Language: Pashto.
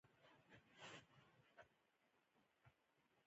په کليوالي سېمو کې مخابراتي چوپړتياوې په هيڅ حساب دي.